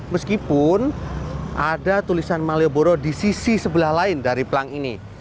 meskipun ada tulisan malioboro di sisi sebelah lain dari pelang ini